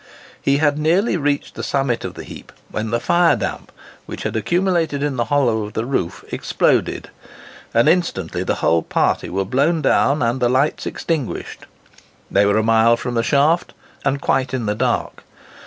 He had nearly reached the summit of the heap, when the fire damp, which had accumulated in the hollow of the roof, exploded, and instantly the whole party were blown down, and the lights extinguished. They were a mile from the shaft, and quite in the dark.